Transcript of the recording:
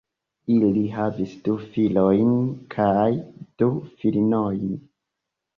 Ili havis du filojn kaj du filinojn.